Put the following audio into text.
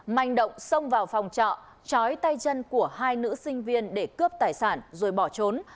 manh động xông vào phòng trọ chói tay chân của hai nữ sinh viên để cướp tài sản rồi bỏ trốn